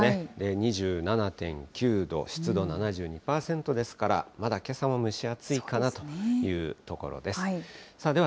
２７．９度、湿度７２％ですから、まだけさも蒸し暑いかなというところです。